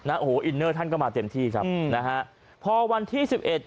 โอ้โหอินเนอร์ท่านก็มาเต็มที่ครับอืมนะฮะพอวันที่สิบเอ็ด